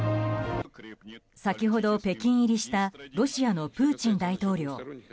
先ほど北京入りしたロシアのプーチン大統領。